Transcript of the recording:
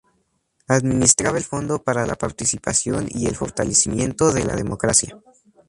Administrar el Fondo para la Participación y el Fortalecimiento de la Democracia.